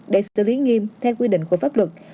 để xử lý nghiêm theo quy định của pháp luật